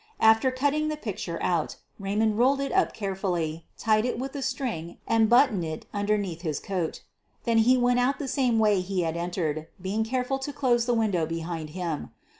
After cutting the^ picture out, Raymond rolled it up carefully, tied it with a string, and buttoned it imderneath his coat. Then he went out the same way he had entered, being careful to close the win dow behind him.